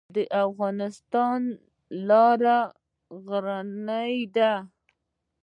د افغانستان لارې غرنۍ دي